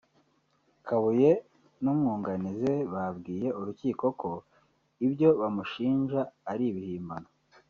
Kabuye n’ umwunganizi we babwiye urukiko ko ibyo bamushinja ari ibihimbano